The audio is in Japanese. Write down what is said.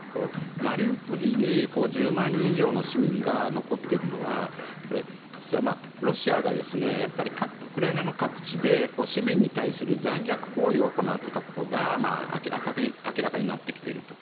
マリウポリに１０万人以上の市民が残っているのはロシアがウクライナの各地で市民に対する残虐行為を行っていたことが明らかになってきていると。